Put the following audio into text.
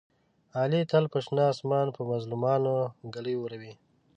علي تل په شنه اسمان په مظلومانو ږلۍ اوروي.